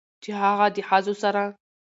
چې هغه د ښځو سره